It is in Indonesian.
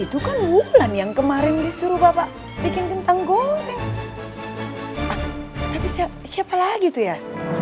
itu kan wulan yang kemarin disuruh bapak bikin bintang goreng tapi siapa lagi tuh ya